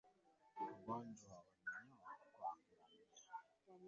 Ugonjwa wa minyoo kwa ngamia